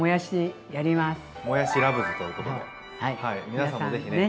皆さんね